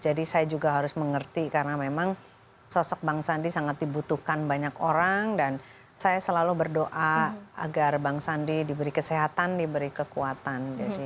jadi saya juga harus mengerti karena memang sosok bang sandi sangat dibutuhkan banyak orang dan saya selalu berdoa agar bang sandi diberi kesehatan diberi kekuatan